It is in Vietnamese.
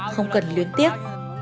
không cần luyến tiếc